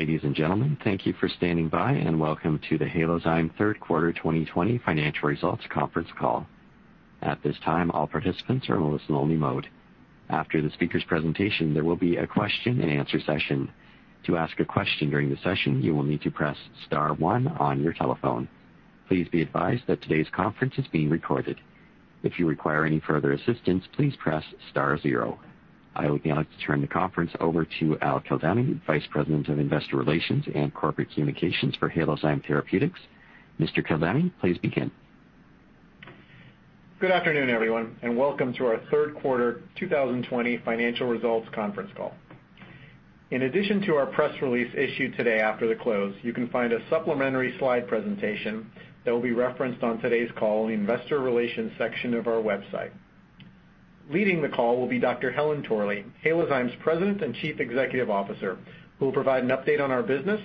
Ladies and gentlemen, thank you for standing by and welcome to the Halozyme Third Quarter 2020 Financial Results Conference Call. At this time, all participants are in listen-only mode. After the speaker's presentation, there will be a question-and-answer session. To ask a question during the session, you will need to press star one on your telephone. Please be advised that today's conference is being recorded. If you require any further assistance, please press star zero. I would now like to turn the conference over to Al Kildani, Vice President of Investor Relations and Corporate Communications for Halozyme Therapeutics. Mr. Kildani, please begin. Good afternoon, everyone, and welcome to our Third Quarter 2020 Financial Results Conference Call. In addition to our press release issued today after the close, you can find a supplementary slide presentation that will be referenced on today's call in the Investor Relations section of our website. Leading the call will be Dr. Helen Torley, Halozyme's President and Chief Executive Officer, who will provide an update on our business,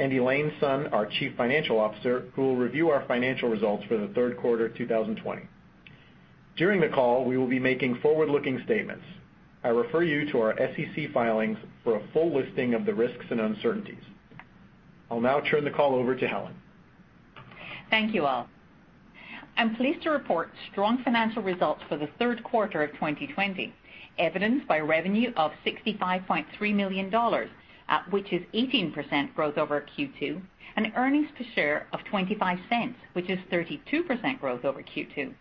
and Elaine Sun, our Chief Financial Officer, who will review our financial results for the Third Quarter 2020. During the call, we will be making forward-looking statements. I refer you to our SEC filings for a full listing of the risks and uncertainties. I'll now turn the call over to Helen. Thank you all. I'm pleased to report strong financial results for the third quarter of 2020, evidenced by revenue of $65.3 million, which is 18% growth over Q2, and earnings per share of $0.25, which is 32% growth over Q2.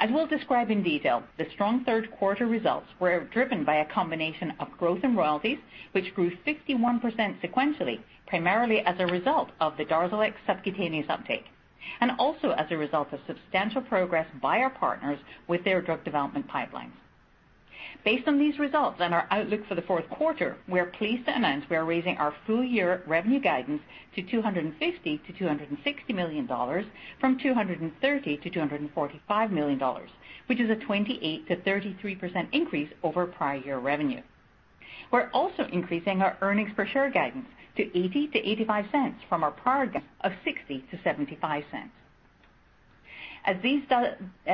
As we'll describe in detail, the strong third quarter results were driven by a combination of growth and royalties, which grew 51% sequentially, primarily as a result of the DARZALEX subcutaneous uptake, and also as a result of substantial progress by our partners with their drug development pipelines. Based on these results and our outlook for the fourth quarter, we're pleased to announce we're raising our full-year revenue guidance to $250 million-$260 million from $230 million-$245 million, which is a 28%-33% increase over prior-year revenue. We're also increasing our earnings per share guidance to $0.80-$0.85 from our prior guidance of $0.60-$0.75. As these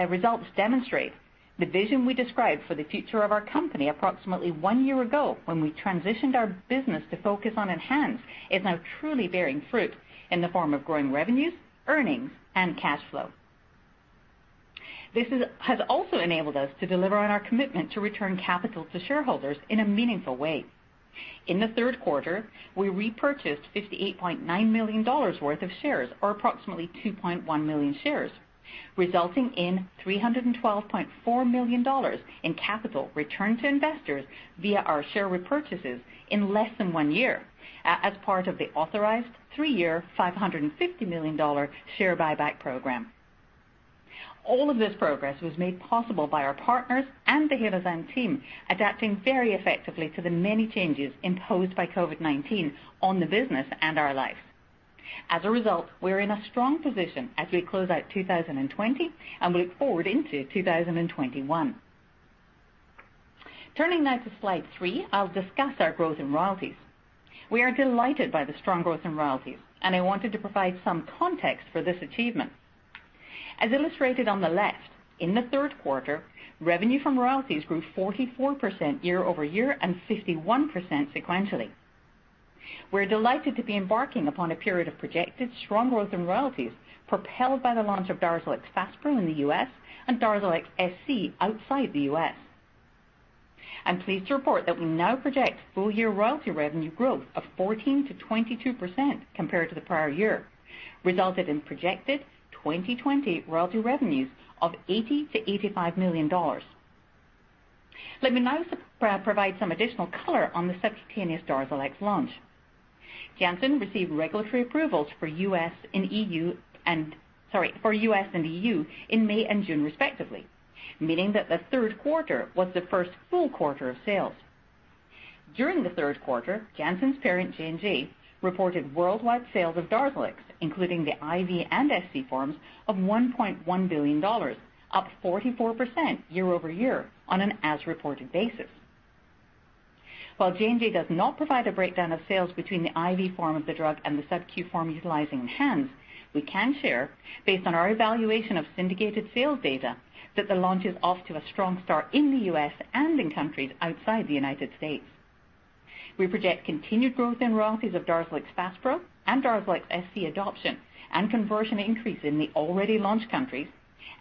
results demonstrate, the vision we described for the future of our company approximately one year ago, when we transitioned our business to focus on ENHANZE, is now truly bearing fruit in the form of growing revenues, earnings, and cash flow. This has also enabled us to deliver on our commitment to return capital to shareholders in a meaningful way. In the third quarter, we repurchased $58.9 million worth of shares, or approximately 2.1 million shares, resulting in $312.4 million in capital returned to investors via our share repurchases in less than one year as part of the authorized three-year $550 million share buyback program. All of this progress was made possible by our partners and the Halozyme team, adapting very effectively to the many changes imposed by COVID-19 on the business and our lives. As a result, we're in a strong position as we close out 2020 and look forward into 2021. Turning now to slide three, I'll discuss our growth in royalties. We are delighted by the strong growth in royalties, and I wanted to provide some context for this achievement. As illustrated on the left, in the third quarter, revenue from royalties grew 44% year-over-year and 51% sequentially. We're delighted to be embarking upon a period of projected strong growth in royalties propelled by the launch of DARZALEX FASPRO in the U.S. and DARZALEX SC outside the U.S. I'm pleased to report that we now project full-year royalty revenue growth of 14%-22% compared to the prior year, resulting in projected 2020 royalty revenues of $80 million-$85 million. Let me now provide some additional color on the subcutaneous DARZALEX launch. Janssen received regulatory approvals for U.S. and EU and sorry, for U.S. and EU in May and June, respectively, meaning that the third quarter was the first full quarter of sales. During the third quarter, Janssen's parent, J&J, reported worldwide sales of DARZALEX, including the IV and SC forms, of $1.1 billion, up 44% year-over-year on an as-reported basis. While J&J does not provide a breakdown of sales between the IV form of the drug and the subQ form utilizing ENHANZE, we can share, based on our evaluation of syndicated sales data, that the launch is off to a strong start in the U.S. and in countries outside the United States. We project continued growth in royalties of DARZALEX FASPRO and DARZALEX SC adoption and conversion increase in the already launched countries,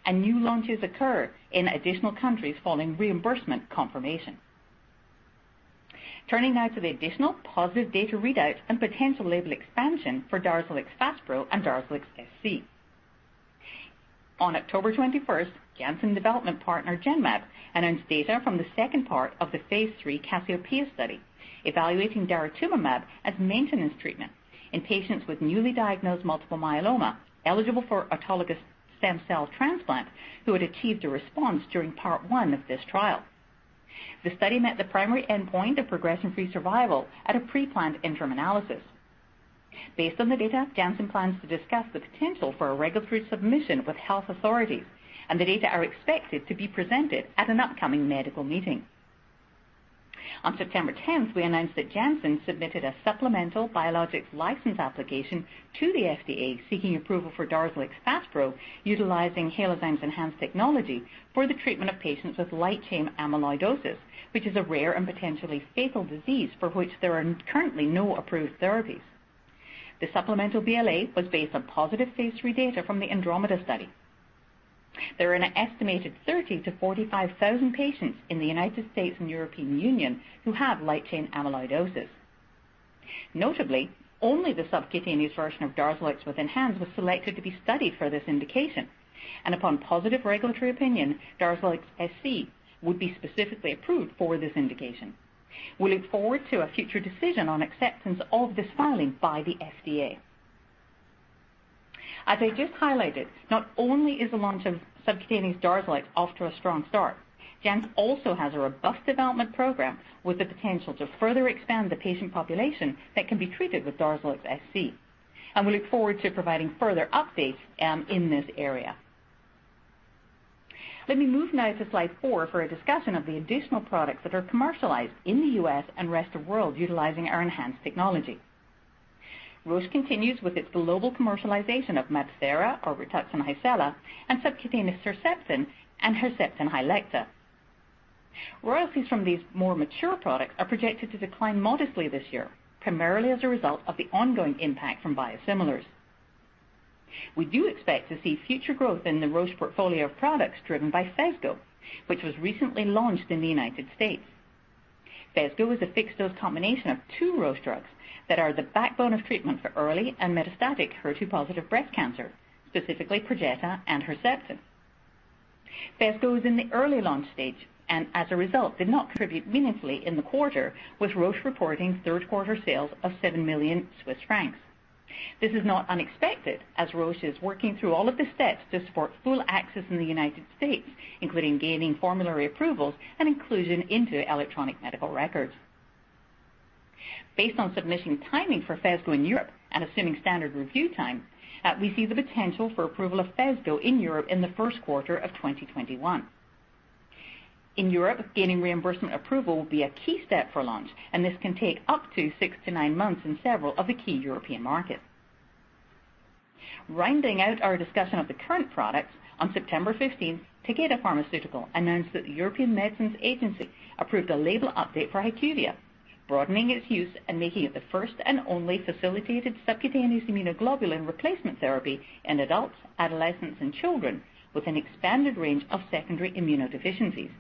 and new launches occur in additional countries following reimbursement confirmation. Turning now to the additional positive data readouts and potential label expansion for DARZALEX FASPRO and DARZALEX SC. On October 21st, Janssen development partner Genmab announced data from the second part of the phase III CASSIOPEIA study evaluating daratumumab as maintenance treatment in patients with newly diagnosed multiple myeloma eligible for autologous stem cell transplant who had achieved a response during part one of this trial. The study met the primary endpoint of progression-free survival at a pre-planned interim analysis. Based on the data, Janssen plans to discuss the potential for a regulatory submission with health authorities, and the data are expected to be presented at an upcoming medical meeting. On September 10th, we announced that Janssen submitted a supplemental biologics license application to the FDA seeking approval for DARZALEX FASPRO utilizing Halozyme's ENHANZE technology for the treatment of patients with light-chain amyloidosis, which is a rare and potentially fatal disease for which there are currently no approved therapies. The supplemental BLA was based on positive phase III data from the ANDROMEDA study. There are an estimated 30,000 to 45,000 patients in the United States and European Union who have light-chain amyloidosis. Notably, only the subcutaneous version of DARZALEX with ENHANZE was selected to be studied for this indication, and upon positive regulatory opinion, DARZALEX SC would be specifically approved for this indication. We look forward to a future decision on acceptance of this filing by the FDA. As I just highlighted, not only is the launch of subcutaneous DARZALEX off to a strong start, Janssen also has a robust development program with the potential to further expand the patient population that can be treated with DARZALEX SC, and we look forward to providing further updates in this area. Let me move now to slide four for a discussion of the additional products that are commercialized in the U.S. and rest of the world utilizing our ENHANZE technology. Roche continues with its global commercialization of MabThera, or RITUXAN HYCELA, and subcutaneous Herceptin, and HERCEPTIN HYLECTA. Royalties from these more mature products are projected to decline modestly this year, primarily as a result of the ongoing impact from biosimilars. We do expect to see future growth in the Roche portfolio of products driven by Phesgo, which was recently launched in the United States. Phesgo is a fixed-dose combination of two Roche drugs that are the backbone of treatment for early and metastatic HER2-positive breast cancer, specifically Perjeta and Herceptin. Phesgo was in the early launch stage and, as a result, did not contribute meaningfully in the quarter, with Roche reporting third quarter sales of 7 million Swiss francs. This is not unexpected as Roche is working through all of the steps to support full access in the United States, including gaining formulary approvals and inclusion into electronic medical records. Based on submission timing for Phesgo in Europe and assuming standard review time, we see the potential for approval of Phesgo in Europe in the first quarter of 2021. In Europe, gaining reimbursement approval will be a key step for launch, and this can take up to six to nine months in several of the key European markets. Rounding out our discussion of the current products, on September 15th, Takeda Pharmaceutical announced that the European Medicines Agency approved a label update for HYQVIA, broadening its use and making it the first and only facilitated subcutaneous immunoglobulin replacement therapy in adults, adolescents, and children with an expanded range of secondary immunodeficiencies.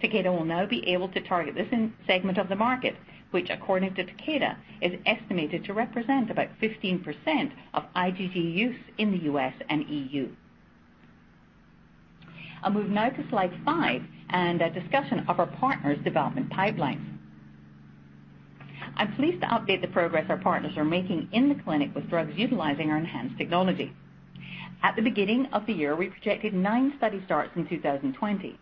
Takeda will now be able to target this segment of the market, which, according to Takeda, is estimated to represent about 15% of IgG use in the U.S. and EU. I'll move now to slide five and a discussion of our partners' development pipelines. I'm pleased to update the progress our partners are making in the clinic with drugs utilizing our EHANZE technology. At the beginning of the year, we projected nine study starts in 2020.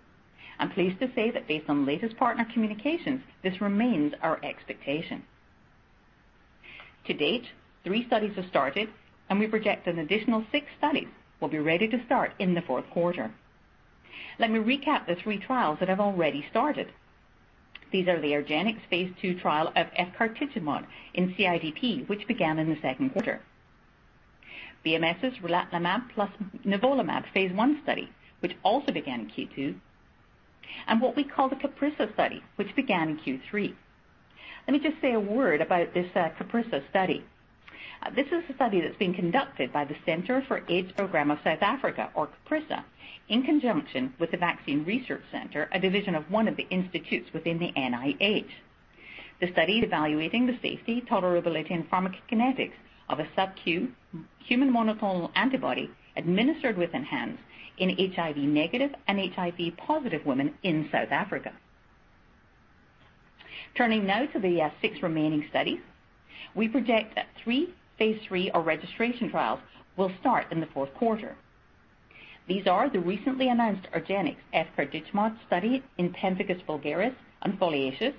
I'm pleased to say that, based on latest partner communications, this remains our expectation. To date, three studies have started, and we project an additional six studies will be ready to start in the fourth quarter. Let me recap the three trials that have already started. These are the argenx phase II trial of efgartigimod in CIDP, which began in the second quarter, BMS's relatlimab plus nivolumab phase I study, which also began in Q2, and what we call the CAPRISA study, which began in Q3. Let me just say a word about this CAPRISA study. This is a study that's being conducted by the Centre for the AIDS Programme of Research in South Africa, or CAPRISA, in conjunction with the Vaccine Research Center, a division of one of the institutes within the NIH. The study is evaluating the safety, tolerability, and pharmacokinetics of a subQ human monoclonal antibody administered with ENHANZE in HIV-negative and HIV-positive women in South Africa. Turning now to the six remaining studies, we project that three phase III or registration trials will start in the fourth quarter. These are the recently announced argenx efgartigimod study in pemphigus vulgaris and foliaceus,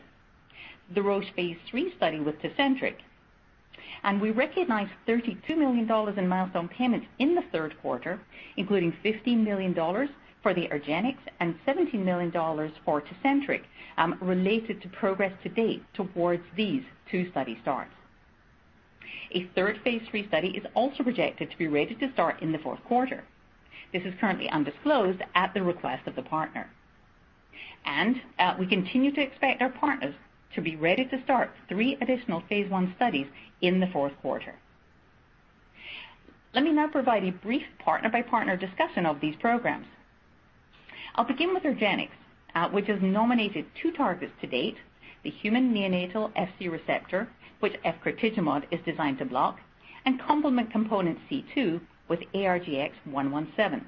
the Roche phase III study with Tecentriq, and we recognize $32 million in milestone payments in the third quarter, including $15 million for the argenx and $17 million for Tecentriq related to progress to date towards these two study starts. A third phase III study is also projected to be ready to start in the fourth quarter. This is currently undisclosed at the request of the partner, and we continue to expect our partners to be ready to start three additional phase I studies in the fourth quarter. Let me now provide a brief partner-by-partner discussion of these programs. I'll begin with argenx, which has nominated two targets to date: the human neonatal Fc receptor, which efgartigimod is designed to block, and complement component C2 with ARGX-117.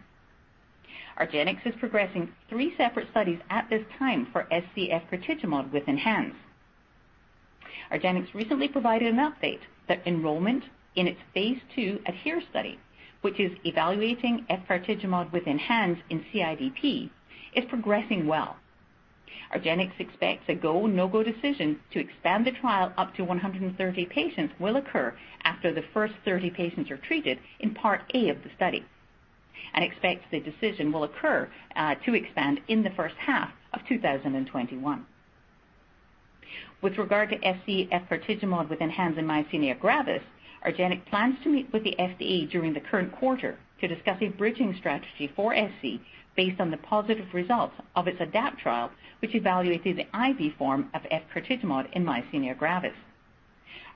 argenx is progressing three separate studies at this time for SC efgartigimod with ENHANZE. argenx recently provided an update that enrollment in its phase II ADHERE study, which is evaluating efgartigimod with ENHANZE in CIDP, is progressing well. argenx expects a go-no-go decision to expand the trial up to 130 patients will occur after the first 30 patients are treated in Part A of the study and expects the decision will occur to expand in the first half of 2021. With regard to SC efgartigimod with ENHANZE in myasthenia gravis, argenx plans to meet with the FDA during the current quarter to discuss a bridging strategy for SC based on the positive results of its ADAPT trial, which evaluated the IV form of efgartigimod in myasthenia gravis.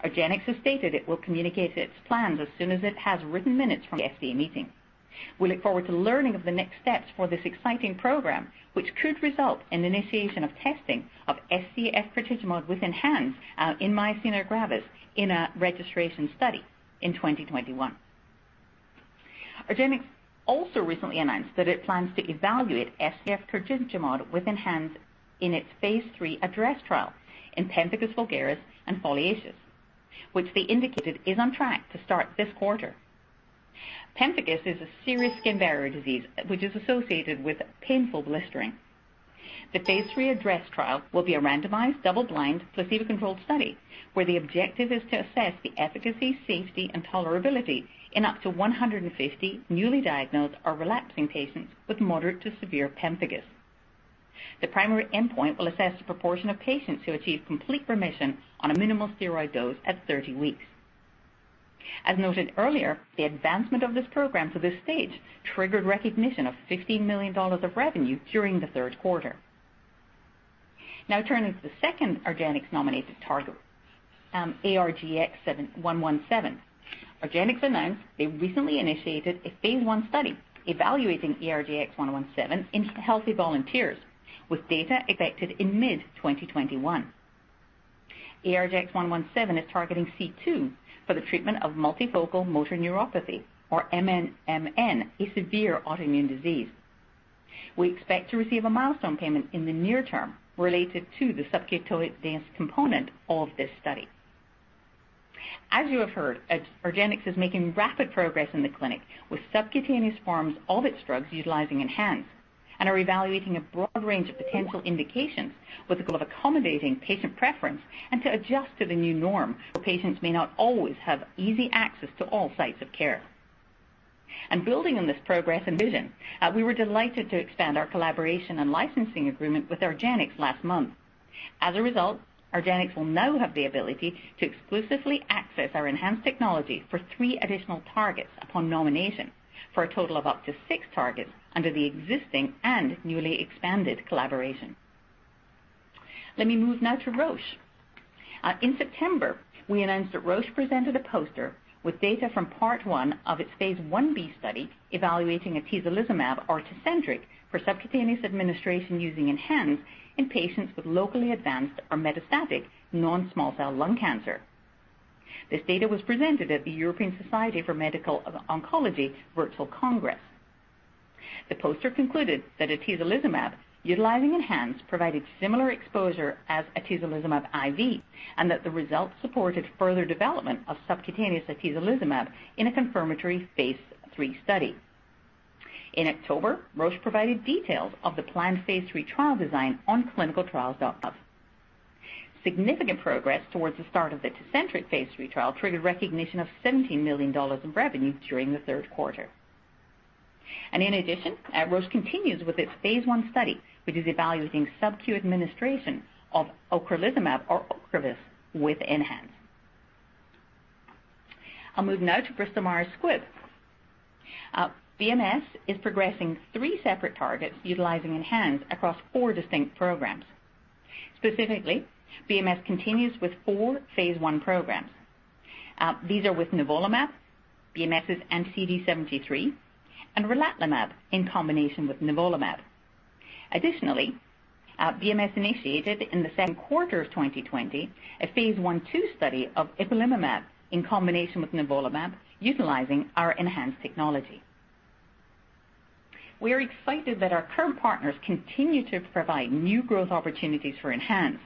argenx has stated it will communicate its plans as soon as it has written minutes from the FDA meeting. We look forward to learning of the next steps for this exciting program, which could result in initiation of testing of SC efgartigimod with ENHANZE in myasthenia gravis in a registration study in 2021. argenx also recently announced that it plans to evaluate SC efgartigimod with ENHANZE in its phase III ADHERE trial in pemphigus vulgaris and foliaceus, which they indicated is on track to start this quarter. Pemphigus is a serious skin barrier disease which is associated with painful blistering. The phase III ADDRESS trial will be a randomized double-blind placebo-controlled study where the objective is to assess the efficacy, safety, and tolerability in up to 150 newly diagnosed or relapsing patients with moderate to severe pemphigus. The primary endpoint will assess the proportion of patients who achieve complete remission on a minimal steroid dose at 30 weeks. As noted earlier, the advancement of this program to this stage triggered recognition of $15 million of revenue during the third quarter. Now turning to the second argenx-nominated target, ARGX-117, argenx announced they recently initiated a phase I study evaluating ARGX-117 in healthy volunteers with data expected in mid-2021. ARGX-117 is targeting C2 for the treatment of multifocal motor neuropathy, or MMN, a severe autoimmune disease. We expect to receive a milestone payment in the near term related to the subcutaneous dose component of this study. As you have heard, argenx is making rapid progress in the clinic with subcutaneous forms of its drugs utilizing ENHANZE and are evaluating a broad range of potential indications with the goal of accommodating patient preference and to adjust to the new norm where patients may not always have easy access to all sites of care. And building on this progress and vision, we were delighted to expand our collaboration and licensing agreement with argenx last month. As a result, argenx will now have the ability to exclusively access our ENHANZE technology for three additional targets upon nomination for a total of up to six targets under the existing and newly expanded collaboration. Let me move now to Roche. In September, we announced that Roche presented a poster with data from Part 1 of its phase I-B study evaluating atezolizumab or Tecentriq for subcutaneous administration using ENHANZE in patients with locally advanced or metastatic non-small cell lung cancer. This data was presented at the European Society for Medical Oncology Virtual Congress. The poster concluded that atezolizumab utilizing ENHANZE provided similar exposure as atezolizumab IV and that the results supported further development of subcutaneous atezolizumab in a confirmatory phase III study. In October, Roche provided details of the planned phase III trial design on clinicaltrials.gov. Significant progress towards the start of the Tecentriq phase III trial triggered recognition of $17 million of revenue during the third quarter. And in addition, Roche continues with its phase I study, which is evaluating subQ administration of ocrelizumab or OCREVUS with ENHANZE. I'll move now to Bristol-Myers Squibb. BMS is progressing three separate targets utilizing ENHANZE across four distinct programs. Specifically, BMS continues with four phase I programs. These are with nivolumab, BMS's CD73, and relatlimab in combination with nivolumab. Additionally, BMS initiated in the second quarter of 2020 a phase I/II study of ipilimumab in combination with nivolumab utilizing our ENHANZE technology. We are excited that our current partners continue to provide new growth opportunities for ENHANZE,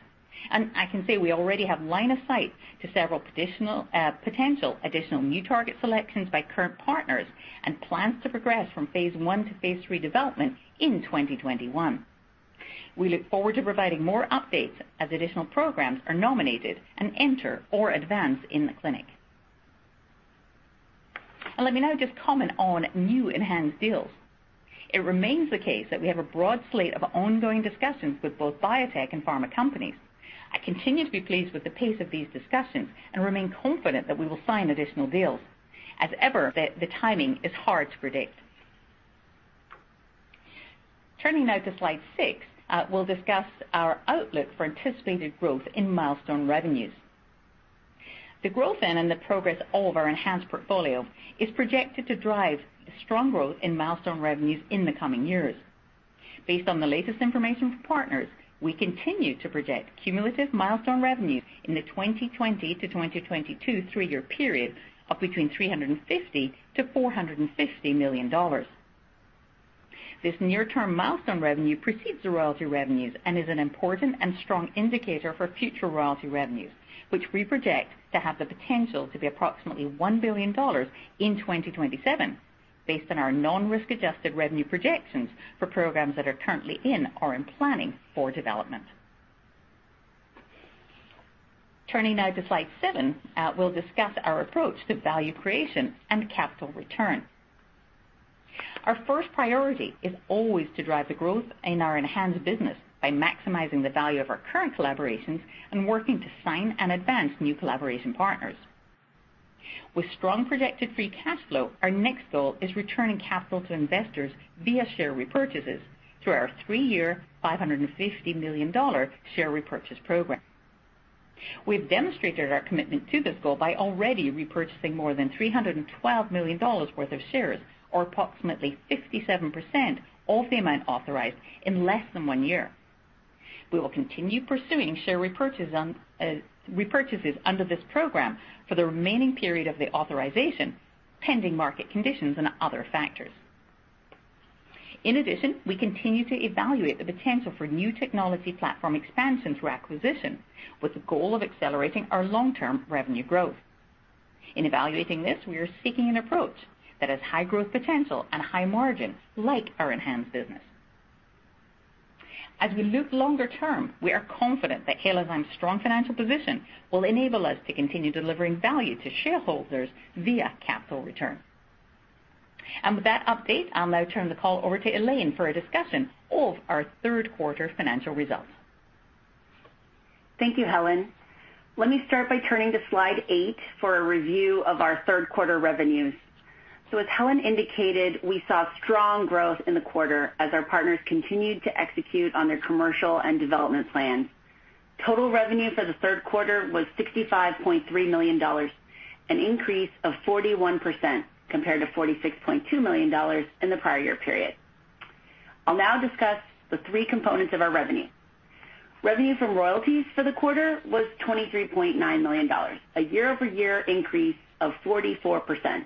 and I can say we already have line of sight to several potential additional new target selections by current partners and plans to progress from phase I to phase III development in 2021. We look forward to providing more updates as additional programs are nominated and enter or advance in the clinic. Let me now just comment on new ENHANZE deals. It remains the case that we have a broad slate of ongoing discussions with both biotech and pharma companies. I continue to be pleased with the pace of these discussions and remain confident that we will sign additional deals. As ever, the timing is hard to predict. Turning now to slide six, we'll discuss our outlook for anticipated growth in milestone revenues. The growth in and the progress of our ENHANZE portfolio is projected to drive strong growth in milestone revenues in the coming years. Based on the latest information from partners, we continue to project cumulative milestone revenue in the 2020 to 2022 three-year period of between $350 million-$450 million. This near-term milestone revenue precedes the royalty revenues and is an important and strong indicator for future royalty revenues, which we project to have the potential to be approximately $1 billion in 2027 based on our non-risk-adjusted revenue projections for programs that are currently in or in planning for development. Turning now to slide seven, we'll discuss our approach to value creation and capital return. Our first priority is always to drive the growth in our ENHANZE business by maximizing the value of our current collaborations and working to sign and advance new collaboration partners. With strong projected free cash flow, our next goal is returning capital to investors via share repurchases through our three-year $550 million share repurchase program. We've demonstrated our commitment to this goal by already repurchasing more than $312 million worth of shares, or approximately 57% of the amount authorized in less than one year. We will continue pursuing share repurchases under this program for the remaining period of the authorization pending market conditions and other factors. In addition, we continue to evaluate the potential for new technology platform expansion through acquisition with the goal of accelerating our long-term revenue growth. In evaluating this, we are seeking an approach that has high growth potential and high margin like our ENHANZE business. As we look longer term, we are confident that Halozyme's strong financial position will enable us to continue delivering value to shareholders via capital return. And with that update, I'll now turn the call over to Elaine for a discussion of our third quarter financial results. Thank you, Helen. Let me start by turning to slide eight for a review of our third quarter revenues. As Helen indicated, we saw strong growth in the quarter as our partners continued to execute on their commercial and development plans. Total revenue for the third quarter was $65.3 million, an increase of 41% compared to $46.2 million in the prior-year period. I'll now discuss the three components of our revenue. Revenue from royalties for the quarter was $23.9 million, a year-over-year increase of 44%.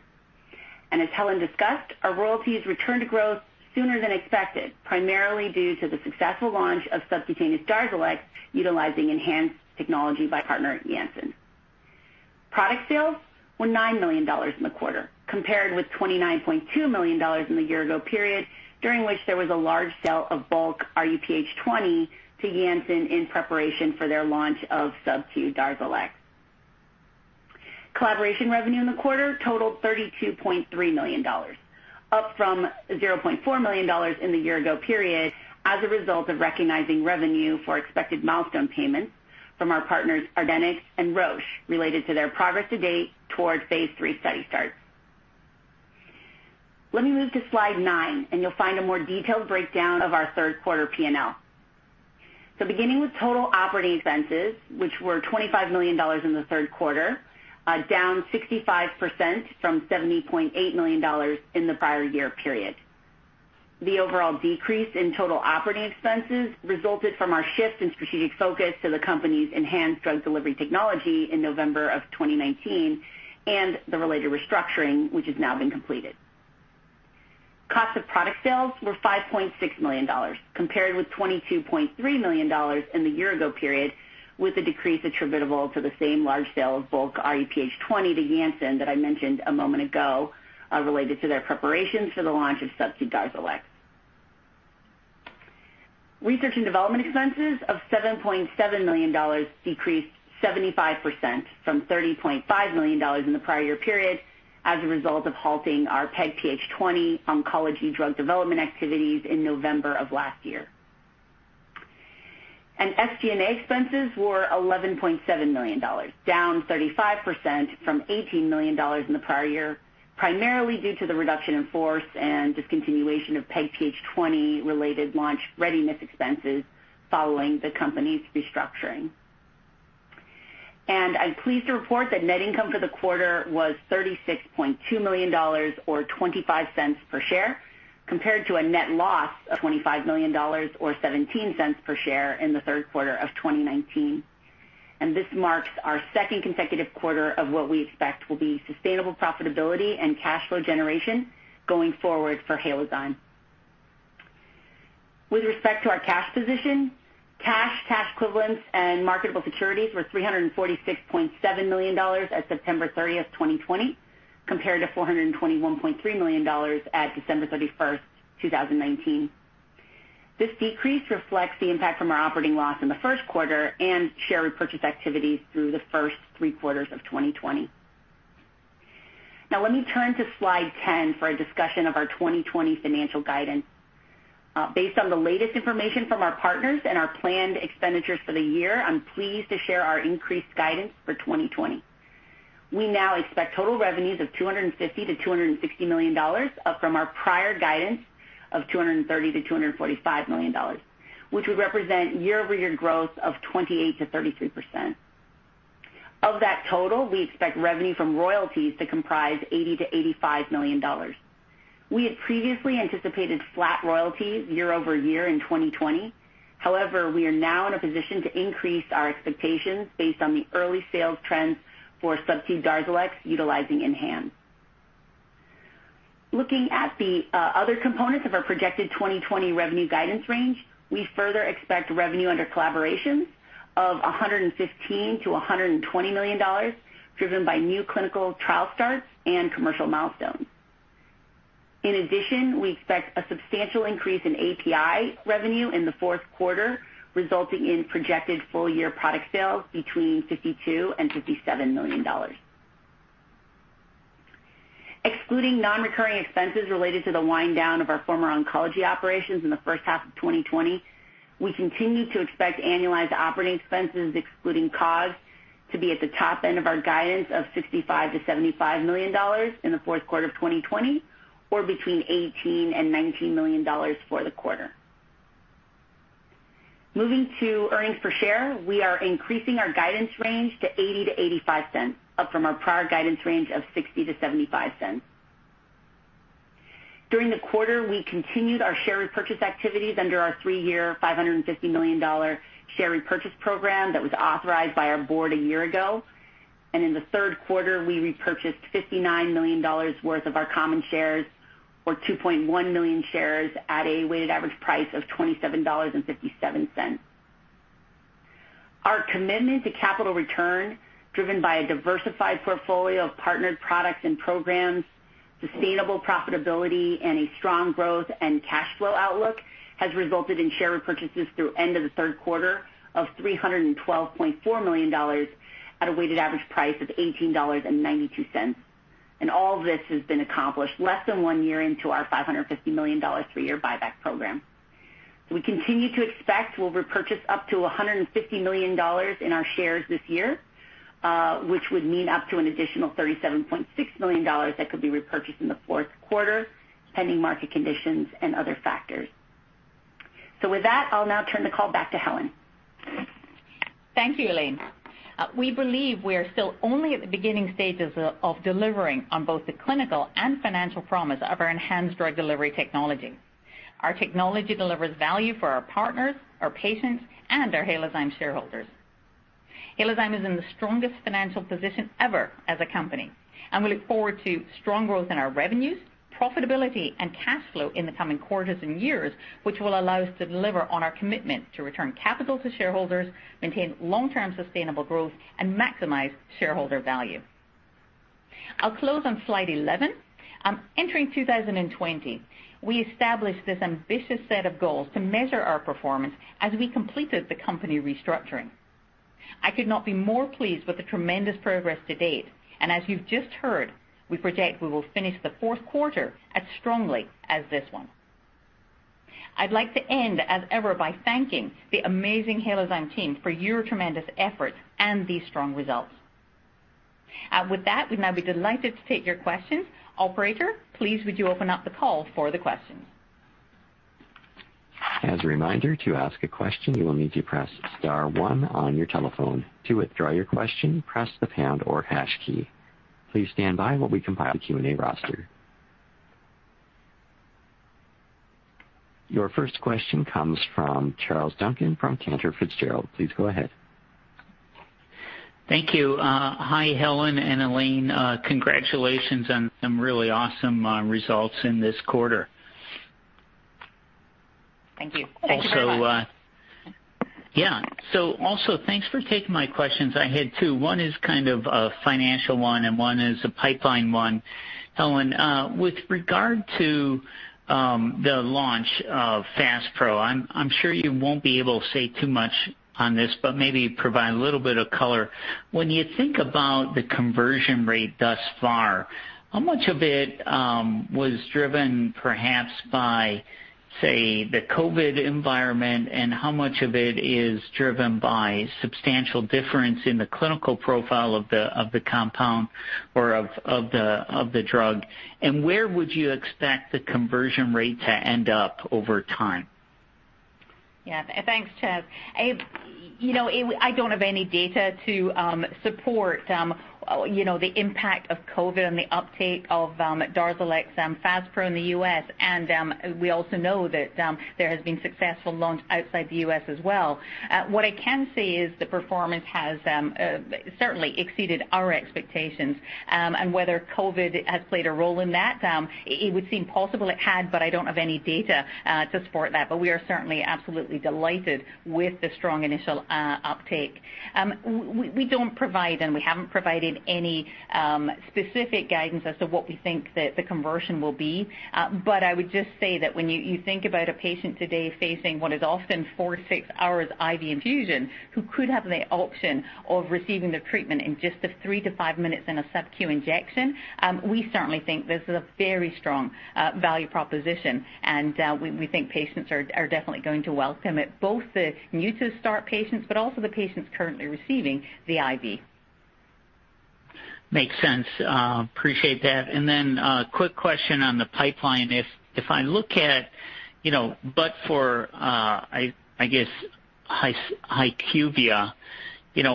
As Helen discussed, our royalties returned to growth sooner than expected, primarily due to the successful launch of subcutaneous DARZALEX utilizing ENHANZE technology by partner Janssen. Product sales were $9 million in the quarter compared with $29.2 million in the year-ago period, during which there was a large sale of bulk rHuPH20 to Janssen in preparation for their launch of subQ DARZALEX . Collaboration revenue in the quarter totaled $32.3 million, up from $0.4 million in the year-ago period. As a result of recognizing revenue for expected milestone payments from our partners argenx and Roche related to their progress-to-date toward phase III study starts. Let me move to slide nine, and you'll find a more detailed breakdown of our third quarter P&L. So, beginning with total operating expenses, which were $25 million in the third quarter, down 65% from $70.8 million in the prior year period. The overall decrease in total operating expenses resulted from our shift in strategic focus to the company's enhanced drug delivery technology in November of 2019 and the related restructuring, which has now been completed. Cost of product sales were $5.6 million compared with $22.3 million in the year-ago period, with a decrease attributable to the same large sales bulk rHuPH20 to Janssen that I mentioned a moment ago related to their preparations for the launch of subQ DARZALEX. Research and development expenses of $7.7 million decreased 75% from $30.5 million in the prior year period as a result of halting our PEGPH20 oncology drug development activities in November of last year. And SG&A expenses were $11.7 million, down 35% from $18 million in the prior year, primarily due to the reduction in force and discontinuation of PEGPH20 related launch readiness expenses following the company's restructuring. And I'm pleased to report that net income for the quarter was $36.2 million, or $0.25 per share, compared to a net loss of $25 million, or $0.17 per share in the third quarter of 2019. And this marks our second consecutive quarter of what we expect will be sustainable profitability and cash flow generation going forward for Halozyme. With respect to our cash position, cash, cash equivalents, and marketable securities were $346.7 million at September 30th, 2020, compared to $421.3 million at December 31st, 2019. This decrease reflects the impact from our operating loss in the first quarter and share repurchase activities through the first three quarters of 2020. Now, let me turn to slide 10 for a discussion of our 2020 financial guidance. Based on the latest information from our partners and our planned expenditures for the year, I'm pleased to share our increased guidance for 2020. We now expect total revenues of $250 million-$260 million from our prior guidance of $230 million-$245 million, which would represent year-over-year growth of 28%-33%. Of that total, we expect revenue from royalties to comprise $80 million-$85 million. We had previously anticipated flat royalties year-over-year in 2020. However, we are now in a position to increase our expectations based on the early sales trends for subQ DARZALEX utilizing ENHANZE. Looking at the other components of our projected 2020 revenue guidance range, we further expect revenue under collaborations of $115 million-$120 million, driven by new clinical trial starts and commercial milestones. In addition, we expect a substantial increase in API revenue in the fourth quarter, resulting in projected full-year product sales between $52 million and $57 million. Excluding non-recurring expenses related to the wind down of our former oncology operations in the first half of 2020, we continue to expect annualized operating expenses, excluding COGS, to be at the top end of our guidance of $65 million-$75 million in the Fourth Quarter of 2020, or between $18 million and $19 million for the quarter. Moving to earnings per share, we are increasing our guidance range to $0.80-$0.85, up from our prior guidance range of $0.60-$0.75. During the quarter, we continued our share repurchase activities under our three-year $550 million share repurchase program that was authorized by our board a year ago. And in the third quarter, we repurchased $59 million worth of our common shares, or 2.1 million shares at a weighted average price of $27.57. Our commitment to capital return, driven by a diversified portfolio of partnered products and programs, sustainable profitability, and a strong growth and cash flow outlook, has resulted in share repurchases through the end of the third quarter of $312.4 million at a weighted average price of $18.92. And all of this has been accomplished less than one year into our $550 million three-year buyback program. We continue to expect we'll repurchase up to $150 million in our shares this year, which would mean up to an additional $37.6 million that could be repurchased in the fourth quarter pending market conditions and other factors. With that, I'll now turn the call back to Helen. Thank you, Elaine. We believe we are still only at the beginning stages of delivering on both the clinical and financial promise of our ENHANZE drug delivery technology. Our technology delivers value for our partners, our patients, and our Halozyme shareholders. Halozyme is in the strongest financial position ever as a company, and we look forward to strong growth in our revenues, profitability, and cash flow in the coming quarters and years, which will allow us to deliver on our commitment to return capital to shareholders, maintain long-term sustainable growth, and maximize shareholder value. I'll close on slide 11. Entering 2020, we established this ambitious set of goals to measure our performance as we completed the company restructuring. I could not be more pleased with the tremendous progress to date, and as you've just heard, we project we will finish the fourth quarter as strongly as this one. I'd like to end, as ever, by thanking the amazing Halozyme team for your tremendous efforts and these strong results. With that, we'd now be delighted to take your questions. Operator, please, would you open up the call for the questions? As a reminder, to ask a question, you will need to press star one on your telephone. To withdraw your question, press the pound or hash key. Please stand by while we compile the Q&A roster. Your first question comes from Charles Duncan from Cantor Fitzgerald. Please go ahead. Thank you. Hi, Helen and Elaine. Congratulations on some really awesome results in this quarter. Thank you. Thank you so much. Yeah. So also, thanks for taking my questions. I had two. One is kind of a financial one, and one is a pipeline one. Helen, with regard to the launch of FASPRO, I'm sure you won't be able to say too much on this, but maybe provide a little bit of color. When you think about the conversion rate thus far, how much of it was driven perhaps by, say, the COVID environment, and how much of it is driven by substantial difference in the clinical profile of the compound or of the drug? And where would you expect the conversion rate to end up over time? Yeah. Thanks, Ted. I don't have any data to support the impact of COVID and the uptake of DARZALEX and FASPRO in the U.S. And we also know that there has been successful launch outside the U.S. as well. What I can say is the performance has certainly exceeded our expectations. And whether COVID has played a role in that, it would seem possible it had, but I don't have any data to support that. But we are certainly absolutely delighted with the strong initial uptake. We don't provide, and we haven't provided any specific guidance as to what we think that the conversion will be. But I would just say that when you think about a patient today facing what is often four to six hours IV infusion, who could have the option of receiving the treatment in just three to five minutes in a subQ injection, we certainly think this is a very strong value proposition. And we think patients are definitely going to welcome it, both the new-to-start patients, but also the patients currently receiving the IV. Makes sense. Appreciate that. And then a quick question on the pipeline. If I look at, but for, I guess, HYQVIA,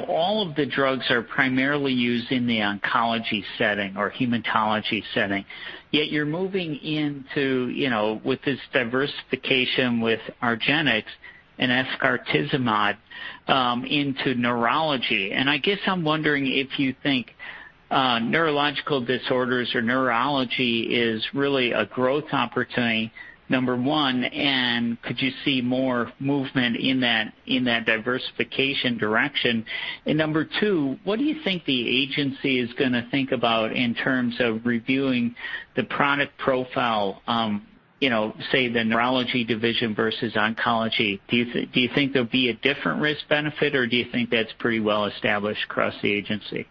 all of the drugs are primarily used in the oncology setting or hematology setting. Yet you're moving into with this diversification with argenx and efgartigimod into neurology. And I guess I'm wondering if you think neurological disorders or neurology is really a growth opportunity, number one, and could you see more movement in that diversification direction? And number two, what do you think the agency is going to think about in terms of reviewing the product profile, say, the neurology division versus oncology? Do you think there'll be a different risk-benefit, or do you think that's pretty well established across the agency?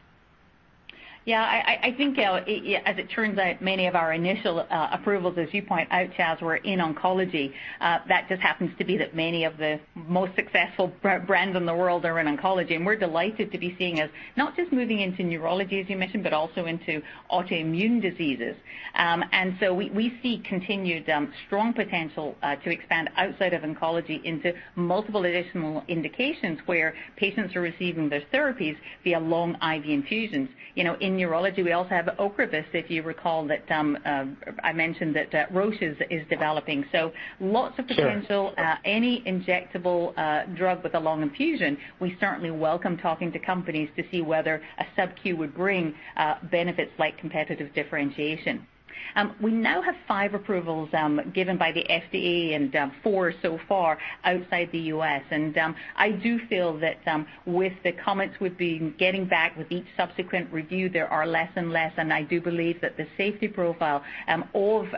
Yeah. I think, as it turns out, many of our initial approvals, as you point out, Charles, were in oncology. That just happens to be that many of the most successful brands in the world are in oncology, and we're delighted to be seeing us not just moving into neurology, as you mentioned, but also into autoimmune diseases, and so we see continued strong potential to expand outside of oncology into multiple additional indications where patients are receiving their therapies via long IV infusions. In neurology, we also have OCREVUS, if you recall that I mentioned that Roche is developing, so lots of potential. Any injectable drug with a long infusion, we certainly welcome talking to companies to see whether a subQ would bring benefits like competitive differentiation. We now have five approvals given by the FDA and four so far outside the U.S. And I do feel that with the comments we've been getting back with each subsequent review, there are less and less. And I do believe that the safety profile of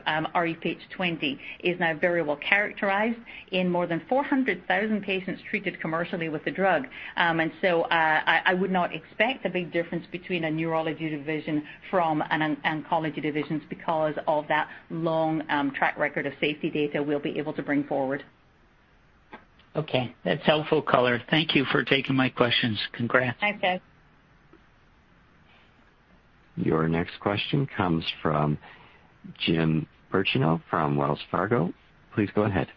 rHuPH20 is now very well characterized in more than 400,000 patients treated commercially with the drug. And so I would not expect a big difference between a neurology division from an oncology division because of that long track record of safety data we'll be able to bring forward. Okay. That's helpful, Color. Thank you for taking my questions. Congrats. Thanks, Charles. Your next question comes from Jim Birchenough from Wells Fargo. Please go ahead.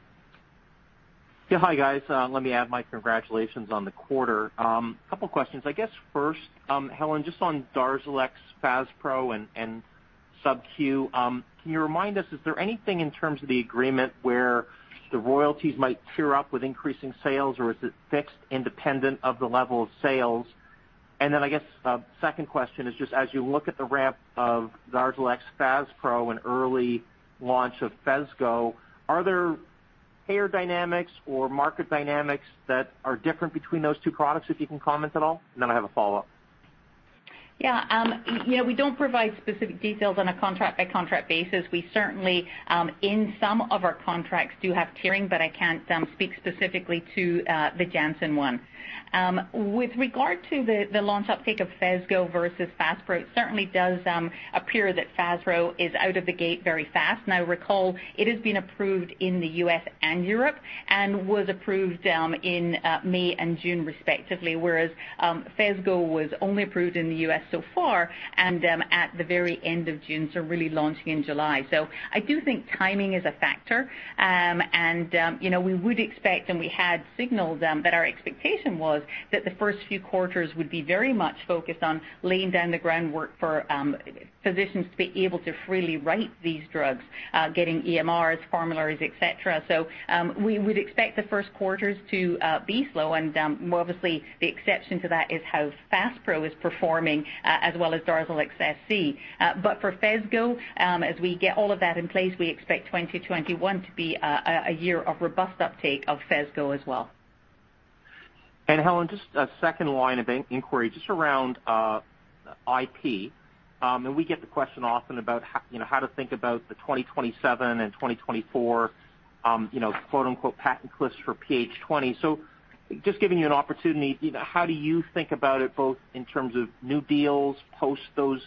Yeah. Hi, guys. Let me add my congratulations on the quarter. A couple of questions. I guess first, Helen, just on DARZALEX, FASPRO, and subQ, can you remind us, is there anything in terms of the agreement where the royalties might tier up with increasing sales, or is it fixed independent of the level of sales? And then I guess second question is just as you look at the ramp of DARZALEX, FASPRO, and early launch of Phesgo, are there payer dynamics or market dynamics that are different between those two products, if you can comment at all? And then I have a follow-up. Yeah. We don't provide specific details on a contract-by-contract basis. We certainly, in some of our contracts, do have tiering, but I can't speak specifically to the Janssen one. With regard to the launch uptake of Phesgo versus FASPRO, it certainly does appear that FASPRO is out of the gate very fast. Now, recall, it has been approved in the U.S. and Europe and was approved in May and June, respectively, whereas Phesgo was only approved in the U.S. so far and at the very end of June, so really launching in July. So I do think timing is a factor. And we would expect, and we had signaled that our expectation was that the first few quarters would be very much focused on laying down the groundwork for physicians to be able to freely write these drugs, getting EMRs, formularies, etc. So we would expect the first quarters to be slow. And obviously, the exception to that is how FASPRO is performing as well as DARZALEX SC. But for Phesgo, as we get all of that in place, we expect 2021 to be a year of robust uptake of Phesgo as well. Helen, just a second line of inquiry just around IP. We get the question often about how to think about the 2027 and 2024 "patent cliffs" for PH20. Just giving you an opportunity, how do you think about it both in terms of new deals post those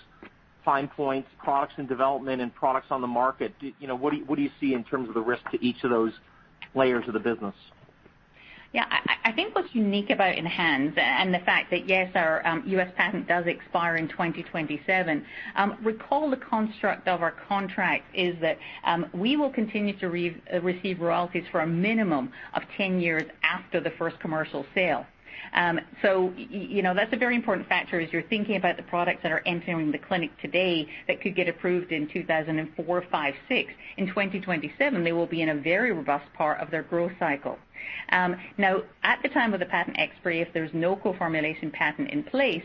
time points, products in development, and products on the market? What do you see in terms of the risk to each of those layers of the business? Yeah. I think what's unique about ENHANZE and the fact that, yes, our U.S. patent does expire in 2027. Recall the construct of our contract is that we will continue to receive royalties for a minimum of 10 years after the first commercial sale. So that's a very important factor as you're thinking about the products that are entering the clinic today that could get approved in 2024, 2025, 2026. In 2027, they will be in a very robust part of their growth cycle. Now, at the time of the patent expiry, if there's no co-formulation patent in place,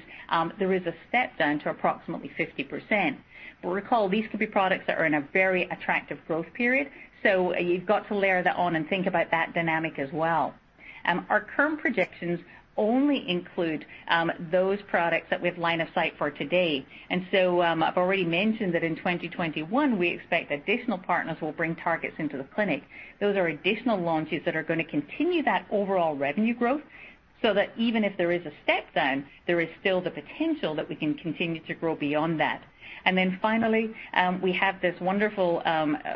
there is a step down to approximately 50%. But recall, these could be products that are in a very attractive growth period. So you've got to layer that on and think about that dynamic as well. Our current projections only include those products that we have line of sight for today. And so I've already mentioned that in 2021, we expect additional partners will bring targets into the clinic. Those are additional launches that are going to continue that overall revenue growth so that even if there is a step down, there is still the potential that we can continue to grow beyond that. And then finally, we have this wonderful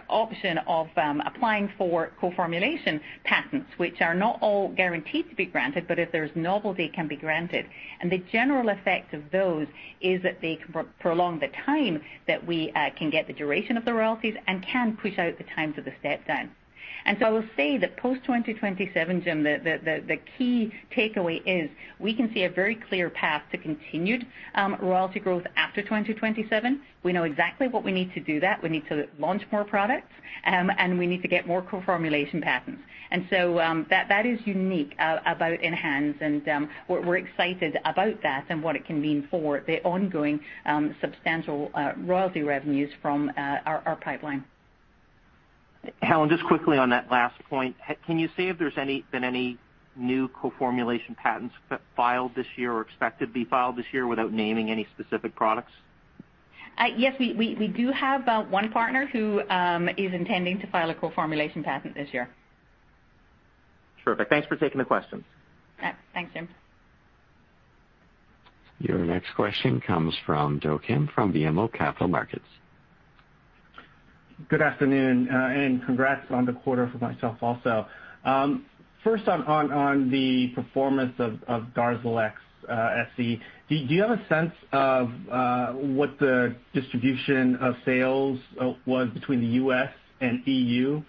option of applying for co-formulation patents, which are not all guaranteed to be granted, but if there's novelty, it can be granted. And the general effect of those is that they can prolong the time that we can get the duration of the royalties and can push out the times of the step down. And so I will say that post-2027, Jim, the key takeaway is we can see a very clear path to continued royalty growth after 2027. We know exactly what we need to do that. We need to launch more products, and we need to get more co-formulation patents. And so that is unique about ENHANZE, and we're excited about that and what it can mean for the ongoing substantial royalty revenues from our pipeline. Helen, just quickly on that last point, can you say if there's been any new co-formulation patents filed this year or expected to be filed this year without naming any specific products? Yes. We do have one partner who is intending to file a co-formulation patent this year. Terrific. Thanks for taking the question. Thanks, Jim. Your next question comes from Do Kim from BMO Capital Markets. Good afternoon, and congrats on the quarter for myself also. First, on the performance of DARZALEX SC, do you have a sense of what the distribution of sales was between the U.S. and EU?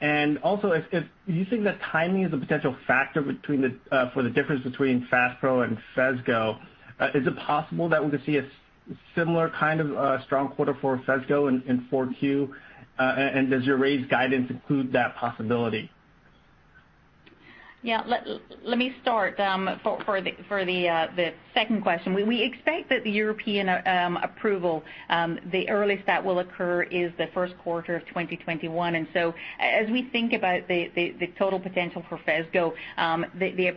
And also, do you think that timing is a potential factor for the difference between FASPRO and Phesgo? Is it possible that we could see a similar kind of strong quarter for Phesgo in 4Q? And does your raised guidance include that possibility? Yeah. Let me start for the second question. We expect that the European approval, the earliest that will occur, is the first quarter of 2021. And so as we think about the total potential for Phesgo, the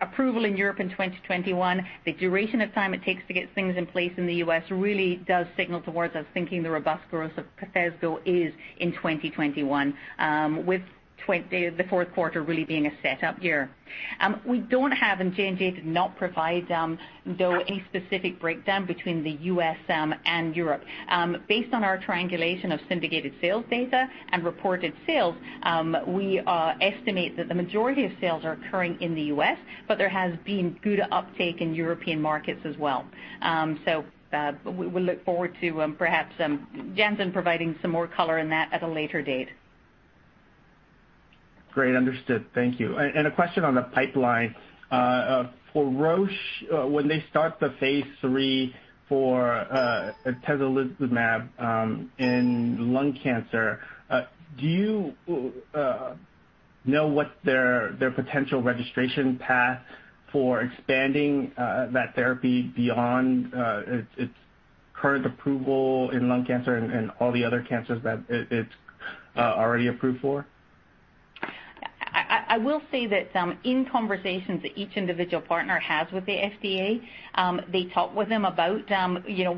approval in Europe in 2021, the duration of time it takes to get things in place in the U.S. really does signal towards us thinking the robust growth of Phesgo is in 2021, with the fourth quarter really being a setup year. We don't have and J&J did not provide, though, any specific breakdown between the U.S. and Europe. Based on our triangulation of syndicated sales data and reported sales, we estimate that the majority of sales are occurring in the U.S., but there has been good uptake in European markets as well. So we'll look forward to perhaps Janssen providing some more color in that at a later date. Great. Understood. Thank you. A question on the pipeline. For Roche, when they start the phase III for atezolizumab in lung cancer, do you know what their potential registration path for expanding that therapy beyond its current approval in lung cancer and all the other cancers that it's already approved for? I will say that in conversations that each individual partner has with the FDA, they talk with them about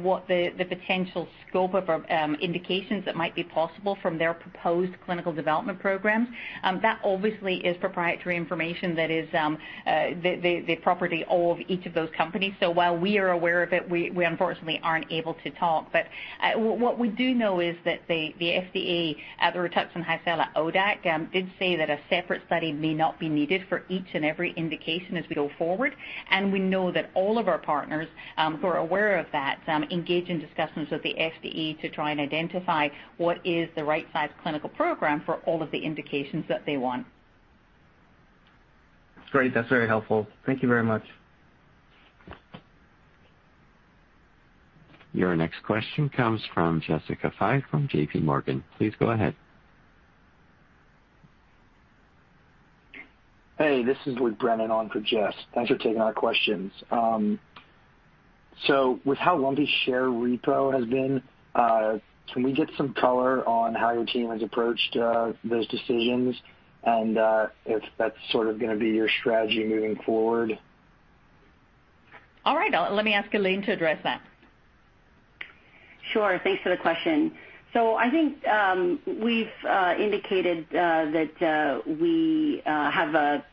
what the potential scope of indications that might be possible from their proposed clinical development programs. That obviously is proprietary information that is the property of each of those companies. So while we are aware of it, we unfortunately aren't able to talk. But what we do know is that the FDA, the RITUXAN HYCELA ODAC, did say that a separate study may not be needed for each and every indication as we go forward. We know that all of our partners who are aware of that engage in discussions with the FDA to try and identify what is the right-sized clinical program for all of the indications that they want. Great. That's very helpful. Thank you very much. Your next question comes from Jessica Fye from JPMorgan. Please go ahead. Hey, this is Luke Brennan on for Jess. Thanks for taking our questions. With how our share repurchase has been, can we get some color on how your team has approached those decisions and if that's sort of going to be your strategy moving forward? All right. Let me ask Elaine to address that. Sure. Thanks for the question. I think we've indicated that we have a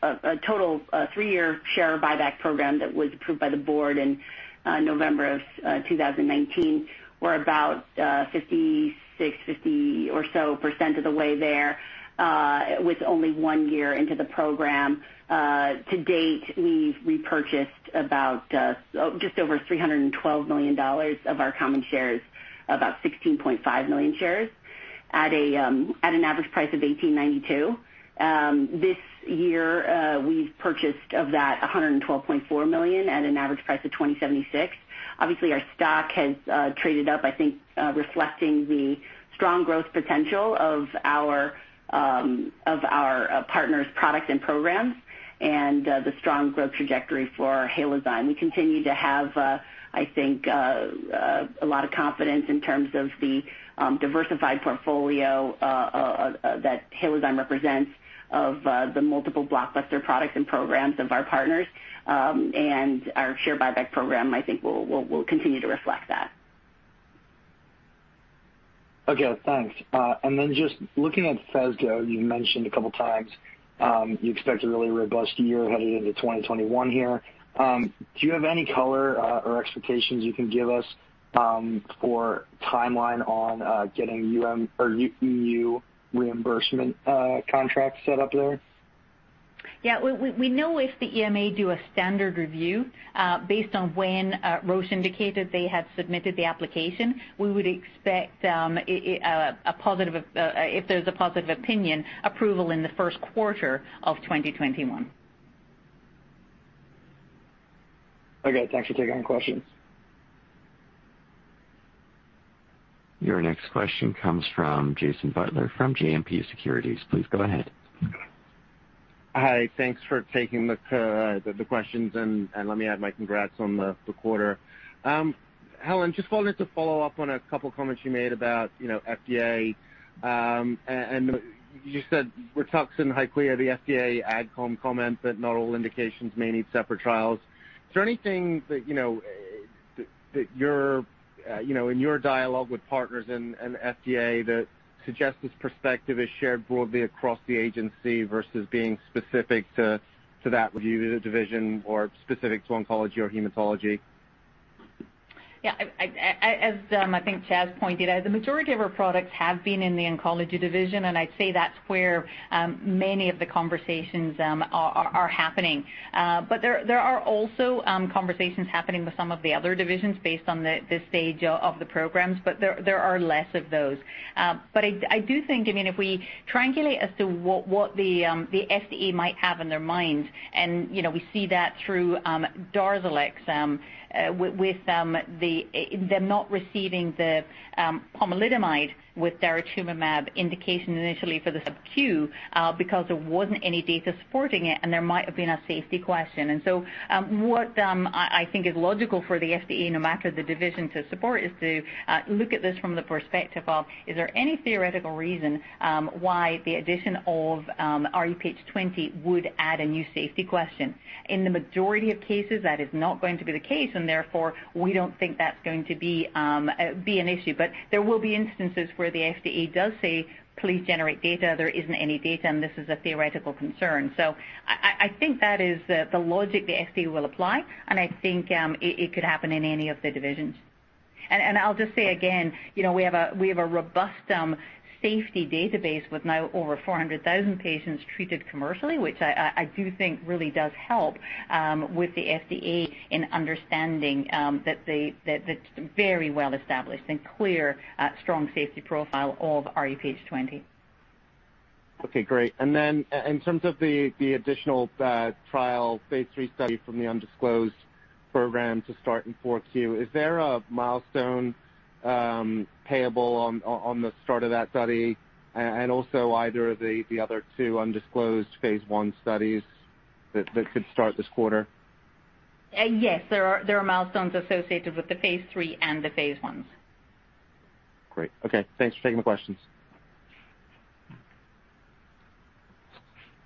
total three-year share buyback program that was approved by the board in November of 2019. We're about 56%,50s or so percent of the way there with only one year into the program. To date, we've repurchased just over $312 million of our common shares, about 16.5 million shares at an average price of $18.92. This year, we've purchased $112.4 million of that at an average price of $20.76. Obviously, our stock has traded up, I think, reflecting the strong growth potential of our partners' products and programs and the strong growth trajectory for Halozyme. We continue to have, I think, a lot of confidence in terms of the diversified portfolio that Halozyme represents of the multiple blockbuster products and programs of our partners. And our share buyback program, I think, will continue to reflect that. Okay. Thanks. And then just looking at Phesgo, you've mentioned a couple of times you expect a really robust year headed into 2021 here. Do you have any color or expectations you can give us for timeline on getting EMA reimbursement contracts set up there? Yeah. We know if the EMA do a standard review based on when Roche indicated they had submitted the application, we would expect a positive if there's a positive opinion approval in the first quarter of 2021. Okay. Thanks for taking my questions. Your next question comes from Jason Butler from JMP Securities. Please go ahead. Hi. Thanks for taking the questions, and let me add my congrats on the quarter. Helen, just wanted to follow up on a couple of comments you made about FDA and you said Rituxan, HYQVIA, the FDA AdCom comment that not all indications may need separate trials. Is there anything that you're in your dialogue with partners and FDA that suggests this perspective is shared broadly across the agency versus being specific to that review division or specific to oncology or hematology? Yeah. As I think Charles pointed out, the majority of our products have been in the oncology division, and I'd say that's where many of the conversations are happening. But there are also conversations happening with some of the other divisions based on the stage of the programs, but there are less of those. But I do think, I mean, if we triangulate as to what the FDA might have in their mind, and we see that through DARZALEX with them not receiving the pomalidomide with daratumumab indication initially for the subQ because there wasn't any data supporting it, and there might have been a safety question. And so what I think is logical for the FDA, no matter the division to support, is to look at this from the perspective of, is there any theoretical reason why the addition of rHuPH20 would add a new safety question? In the majority of cases, that is not going to be the case, and therefore, we don't think that's going to be an issue. But there will be instances where the FDA does say, "Please generate data. There isn't any data, and this is a theoretical concern." So I think that is the logic the FDA will apply, and I think it could happen in any of the divisions. And I'll just say again, we have a robust safety database with now over 400,000 patients treated commercially, which I do think really does help with the FDA in understanding that the very well-established and clear strong safety profile of rHuPH20. Okay. Great. And then, in terms of the additional trial phase III from the undisclosed program to start in 4Q, is there a milestone payable on the start of that study and also either of the other two undisclosed phase I studies that could start this quarter? Yes. There are milestones associated with the phase III and the phase Is. Great. Okay. Thanks for taking the questions.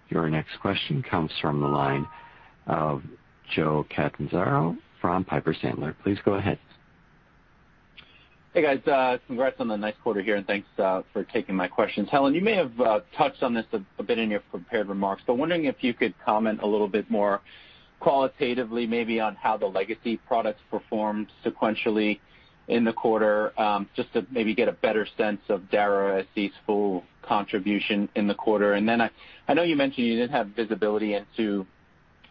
Your next question comes from the line of Joe Catanzaro from Piper Sandler. Please go ahead. Hey, guys. Congrats on the nice quarter here, and thanks for taking my questions. Helen, you may have touched on this a bit in your prepared remarks, but wondering if you could comment a little bit more qualitatively maybe on how the legacy products performed sequentially in the quarter just to maybe get a better sense of DARZALEX SC's full contribution in the quarter. And then I know you mentioned you didn't have visibility into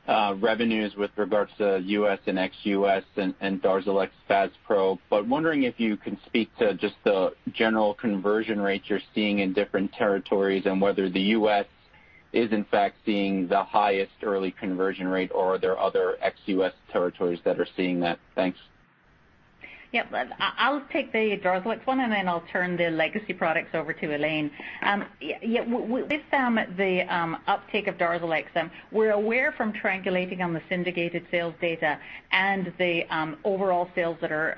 revenues with regards to U.S. and ex-U.S. and DARZALEX FASPRO, but wondering if you can speak to just the general conversion rate you're seeing in different territories and whether the U.S. is in fact seeing the highest early conversion rate, or are there other ex-U.S. territories that are seeing that? Thanks. Yep. I'll take the DARZALEX one, and then I'll turn the legacy products over to Elaine. Yeah. With the uptake of DARZALEX, we're aware from triangulating on the syndicated sales data and the overall sales that are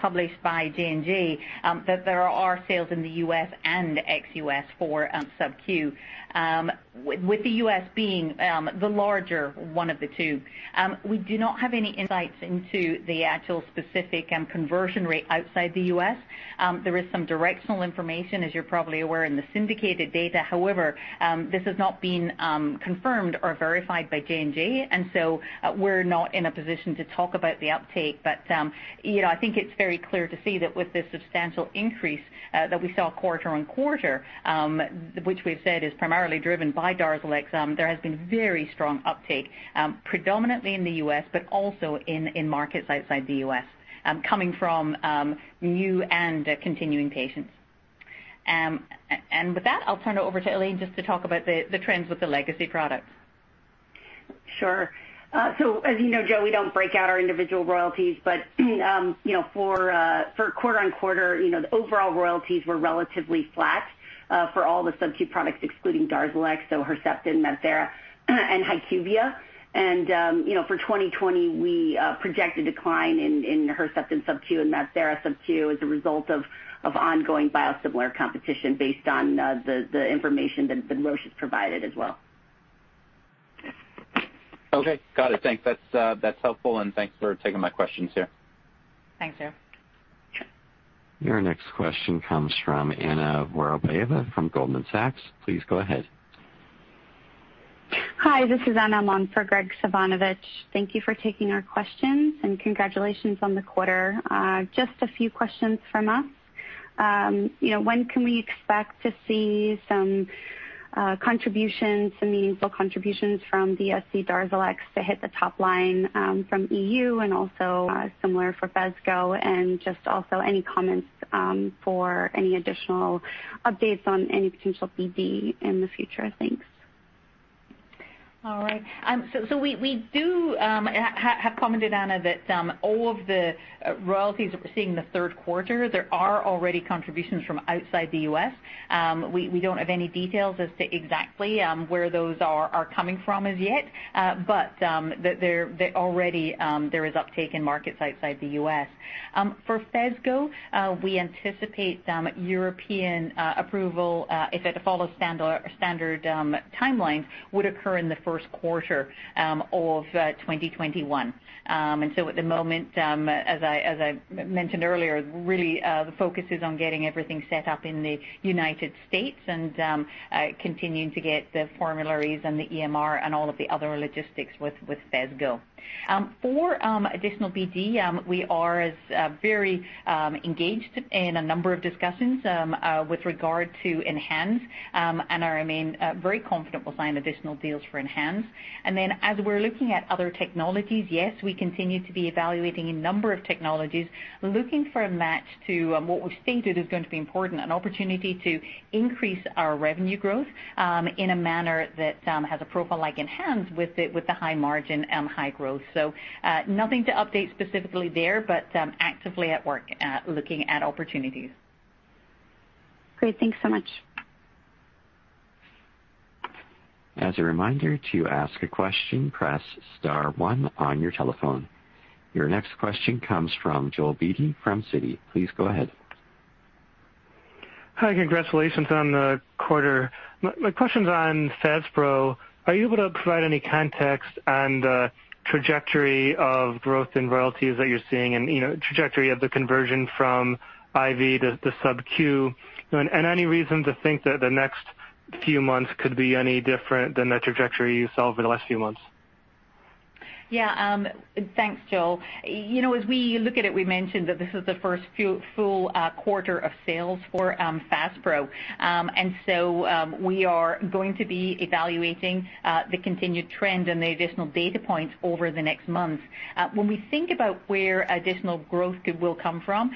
published by J&J that there are sales in the U.S. and ex-U.S. for subQ, with the U.S. being the larger one of the two. We do not have any insights into the actual specific conversion rate outside the U.S.. There is some directional information, as you're probably aware, in the syndicated data. However, this has not been confirmed or verified by J&J, and so we're not in a position to talk about the uptake, but I think it's very clear to see that with the substantial increase that we saw quarter-on-quarter, which we've said is primarily driven by DARZALEX, there has been very strong uptake, predominantly in the U.S., but also in markets outside the U.S., coming from new and continuing patients. With that, I'll turn it over to Elaine just to talk about the trends with the legacy products. Sure. So as you know, Joe, we don't break out our individual royalties, but for quarter-on-quarter, the overall royalties were relatively flat for all the subQ products, excluding DARZALEX, so Herceptin, MabThera, and HYQVIA. For 2020, we projected a decline in Herceptin subQ and MabThera subQ as a result of ongoing biosimilar competition based on the information that Roche has provided as well. Okay. Got it. Thanks. That's helpful, and thanks for taking my questions here. Thanks, Joe. Your next question comes from Anna Vorobyeva from Goldman Sachs. Please go ahead. Hi. This is Anna on for Graig Suvannavejh. Thank you for taking our questions, and congratulations on the quarter. Just a few questions from us. When can we expect to see some contributions, some meaningful contributions from the SC DARZALEX to hit the top line from EU and also similar for Phesgo? And just also any comments for any additional updates on any potential BD in the future? Thanks. All right. So we do have commented, Anna, that all of the royalties that we're seeing in the third quarter, there are already contributions from outside the U.S. We don't have any details as to exactly where those are coming from as yet, but already, there is uptake in markets outside the U.S. For Phesgo, we anticipate European approval, if it follows standard timelines, would occur in the first quarter of 2021. So at the moment, as I mentioned earlier, really the focus is on getting everything set up in the United States and continuing to get the formularies and the EMR and all of the other logistics with Phesgo. For additional BD, we are very engaged in a number of discussions with regard to ENHANZE, and I remain very confident we'll sign additional deals for ENHANZE. Then as we're looking at other technologies, yes, we continue to be evaluating a number of technologies, looking for a match to what we've stated is going to be important, an opportunity to increase our revenue growth in a manner that has a profile like ENHANZE with the high margin and high growth. So nothing to update specifically there, but actively at work looking at opportunities. Great. Thanks so much. As a reminder to ask a question, press star one on your telephone. Your next question comes from Joel Beatty from Citi. Please go ahead. Hi. Congratulations on the quarter. My question's on FASPRO. Are you able to provide any context on the trajectory of growth in royalties that you're seeing and trajectory of the conversion from IV to subQ? And any reason to think that the next few months could be any different than the trajectory you saw over the last few months? Yeah. Thanks, Joel. As we look at it, we mentioned that this is the first full quarter of sales for FASPRO. And so we are going to be evaluating the continued trend and the additional data points over the next months. When we think about where additional growth will come from,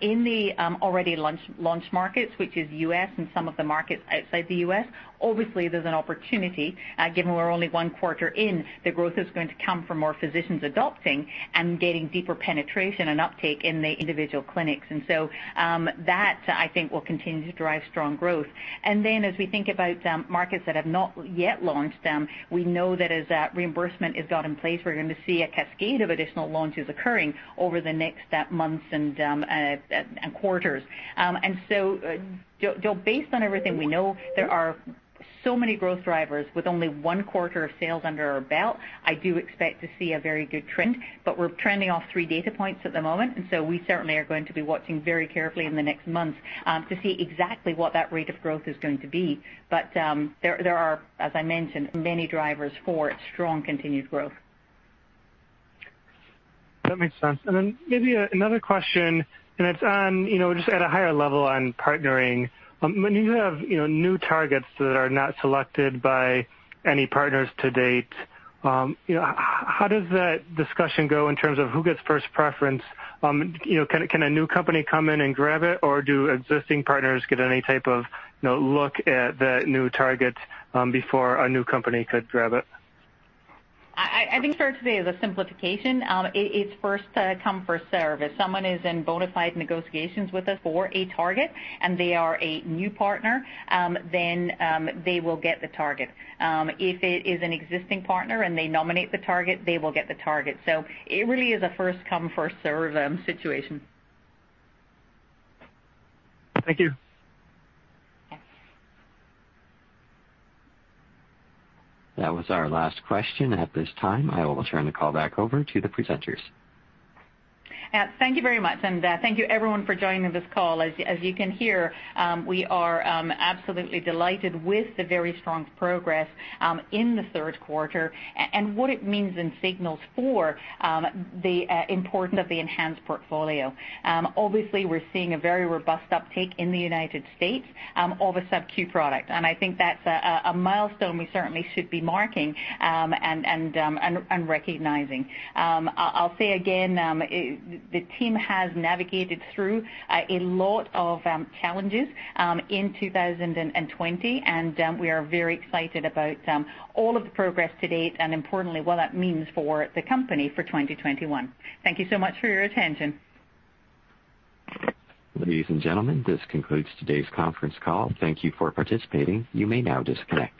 in the already launched markets, which is U.S. and some of the markets outside the U.S., obviously, there's an opportunity. Given we're only one quarter in, the growth is going to come from more physicians adopting and getting deeper penetration and uptake in the individual clinics, and so that, I think, will continue to drive strong growth, and then as we think about markets that have not yet launched, we know that as reimbursement is got in place, we're going to see a cascade of additional launches occurring over the next months and quarters, and so, Joel, based on everything we know, there are so many growth drivers with only one quarter of sales under our belt. I do expect to see a very good trend, but we're trending off three data points at the moment, and so we certainly are going to be watching very carefully in the next months to see exactly what that rate of growth is going to be. But there are, as I mentioned, many drivers for strong continued growth. That makes sense. And then maybe another question, and it's just at a higher level on partnering. When you have new targets that are not selected by any partners to date, how does that discussion go in terms of who gets first preference? Can a new company come in and grab it, or do existing partners get any type of look at the new targets before a new company could grab it? I think for today, the simplification, it's first come first serve. If someone is in bona fide negotiations with us for a target, and they are a new partner, then they will get the target. If it is an existing partner and they nominate the target, they will get the target. So it really is a first come first serve situation. Thank you. That was our last question. At this time, I will turn the call back over to the presenters. Thank you very much, and thank you everyone for joining this call. As you can hear, we are absolutely delighted with the very strong progress in the third quarter and what it means and signals for the importance of the ENHANZE portfolio. Obviously, we're seeing a very robust uptake in the United States of a subQ product, and I think that's a milestone we certainly should be marking and recognizing. I'll say again, the team has navigated through a lot of challenges in 2020, and we are very excited about all of the progress to date and, importantly, what that means for the company for 2021. Thank you so much for your attention. Ladies and gentlemen, this concludes today's conference call. Thank you for participating. You may now disconnect.